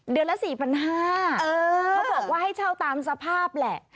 ละ๔๕๐๐บาทเขาบอกว่าให้เช่าตามสภาพแหละ